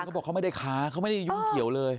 เขาบอกเขาไม่ได้ค้าเขาไม่ได้ยุ่งเกี่ยวเลย